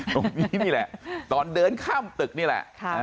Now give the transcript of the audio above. ตรงนี้นี่แหละตอนเดินข้ามตึกนี่แหละ